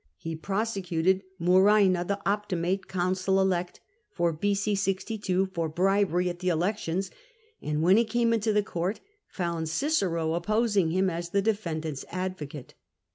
He prosecuted Muraena, the Optimate consul elect for b.C. 62, for bribery at the elections, and when he came into the court found Cicero opposing him as the defendant's advocate.